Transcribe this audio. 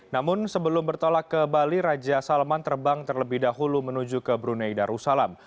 namun sebelum bertolak ke bali raja salman terbang terlebih dahulu menuju ke brunei darussalam